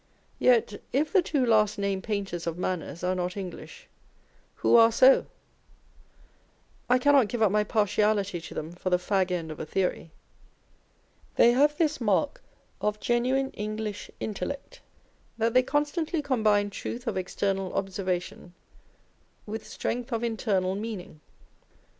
Yet, if the two last named painters of manners are not English, who are so ? I cannot give up my partiality to them for the fag end of a theory. They have this mark of genuine English intellect, that they constantly combine truth of external observation with strength of internal meaning.